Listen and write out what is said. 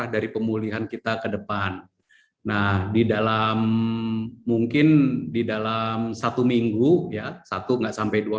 dari pemulihan kita ke depan nah di dalam mungkin di dalam satu minggu ya satu enggak sampai dua